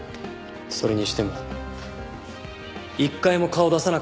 それにしても一回も顔出さなかったですね